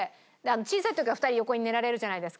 小さい時は２人横に寝られるじゃないですか。